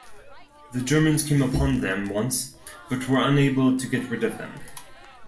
The Germans came upon them once but were unable to get rid of them.